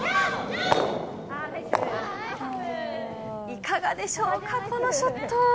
いかがでしょうか、このショット。